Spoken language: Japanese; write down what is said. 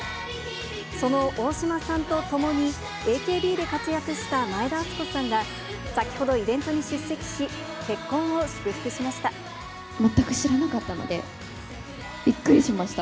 その大島さんと共にＡＫＢで活躍した前田敦子さんが、先ほどイベントに出席し、結婚を祝福しました。